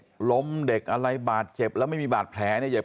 ว่าที่มีกฎออกมาว่าไม่สามารถพาเด็กนักเรียนไปโรงพยาบาล